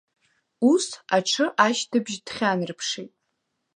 Ус, аҽы ашьҭыбжь дхьанарԥшит.